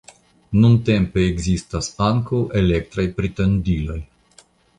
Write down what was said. Nuntempe ekzistas ankaŭ elektraj pritondiloj.